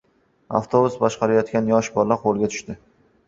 Avtobus boshqarayotgan yosh bola qo‘lga tushdi